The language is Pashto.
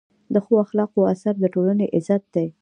د ښو اخلاقو اثر د ټولنې عزت دی.